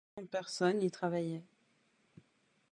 Deux-cent-vingt personnes y travaillaient.